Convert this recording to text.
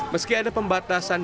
meski ada pembatasan